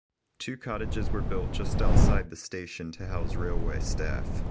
Two cottages were built just outside the station to house railway staff.